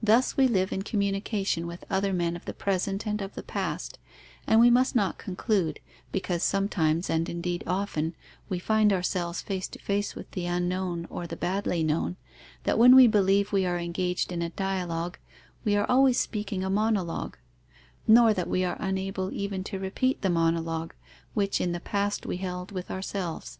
Thus we live in communication with other men of the present and of the past; and we must not conclude, because sometimes, and indeed often, we find ourselves face to face with the unknown or the badly known, that when we believe we are engaged in a dialogue, we are always speaking a monologue; nor that we are unable even to repeat the monologue which, in the past, we held with ourselves.